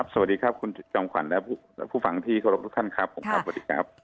สวัสดีครับคุณจอมขวัญและผู้ฟังที่ขอรับทุกท่านครับ